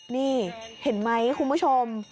นี่เห็นไหมคุณผู้ชม